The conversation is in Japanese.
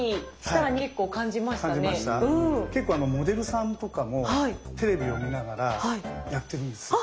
結構モデルさんとかもテレビを見ながらやってるんですよ。